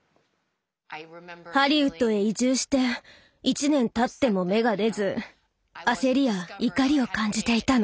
ハリウッドへ移住して１年たっても芽が出ず焦りや怒りを感じていたの。